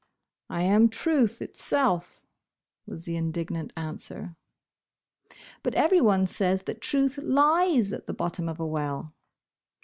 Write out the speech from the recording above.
I am Truth itself," was the indignant answer. "But every one says that 'truth lies at the bot tom of a well.